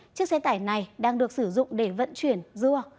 chiếc xe tải này đang được sử dụng để vận chuyển rua